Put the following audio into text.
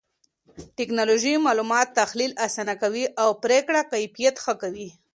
ټکنالوژي معلومات تحليل آسانه کوي او پرېکړې کيفيت ښه کوي.